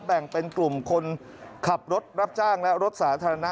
แบ่งเป็นกลุ่มคนขับรถรับจ้างและรถสาธารณะ